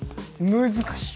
難しい。